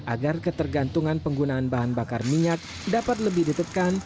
agar ketergantungan penggunaan bahan bakar minyak dapat lebih ditekan